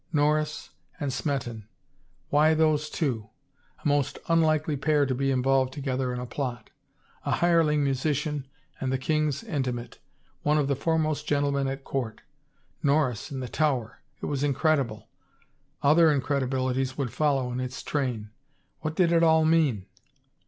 Norris — and Smeton ... why those two? A most unlikely pair to be involved together in a plot; a hireling musician and the king's intimate, one of the foremost gentlemen at court. Norris in the Tower! It was incredible ... other incredibilities would follow in its train. What did it all mean?